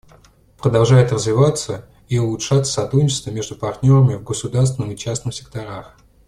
Продолжает развиваться и улучшаться сотрудничество между партнерами в государственном и частном секторах.